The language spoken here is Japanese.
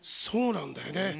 そうなんだよね。